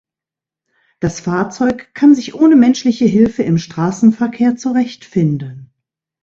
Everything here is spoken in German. Das Fahrzeug kann sich ohne menschliche Hilfe im Straßenverkehr zurechtfinden.